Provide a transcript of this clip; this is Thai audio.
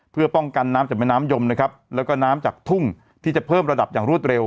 เพื่อป้องกันน้ำจากแม่น้ำยมนะครับแล้วก็น้ำจากทุ่งที่จะเพิ่มระดับอย่างรวดเร็ว